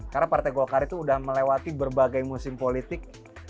karena partai golkar itu udah melewati berbagai musim politik